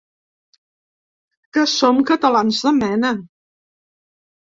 Que som catalans de mena.